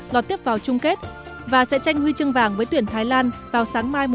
lọt tiếp vào chung kết và sẽ tranh huy chương vàng với tuyển thái lan vào sáng mai một chín